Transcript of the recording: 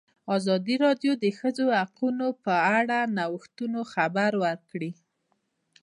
ازادي راډیو د د ښځو حقونه په اړه د نوښتونو خبر ورکړی.